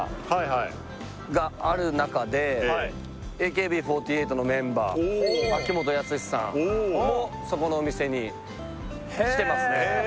ＡＫＢ４８のメンバー秋元康さんもそこのお店に来てますね